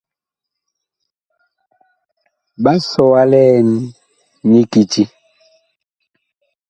Ɓa sɔ wa liɛn nyi kiti.